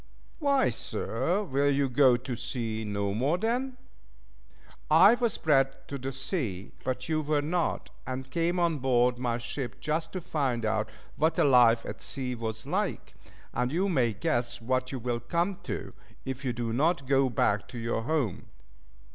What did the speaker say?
"Why Sir, will you go to sea no more then?" "That is not the same kind of thing; I was bred to the sea, but you were not, and came on board my ship just to find out what a life at sea was like, and you may guess what you will come to if you do not go back to your home.